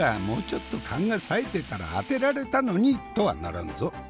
もうちょっと勘がさえてたら当てられたのに！」とはならんぞ。